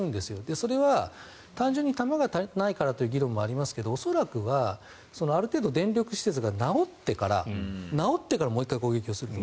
それは単純に弾が足りていないからという議論もありますが恐らくはある程度、電力施設が直ってからもう１回攻撃すると。